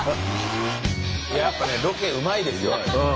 やっぱねロケうまいですよ。